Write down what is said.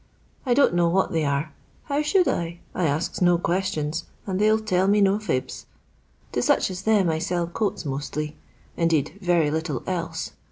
I don't know what they are. How should II I asks no questions, and they '11 tell me no fibs. To such as them I sell coats mostly; indeed, yery little else.